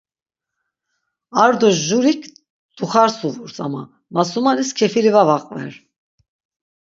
Ar do jurik duxarsuvurs ama masumanis kefili va vaqver.